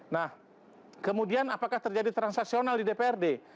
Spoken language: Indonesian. nah kemudian apakah terjadi transaksional di dprd